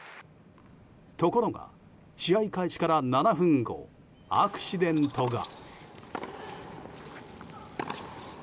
ところが、試合開始から７分後アクシデントが。